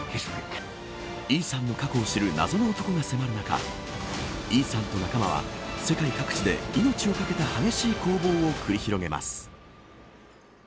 イーサンの過去を知る謎の男が迫る中イーサンと仲間は、世界各地で命をかけた激しい攻防を繰り広げます。